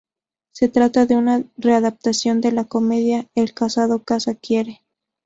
Se trata de una readaptación de la comedia "El casado casa quiere".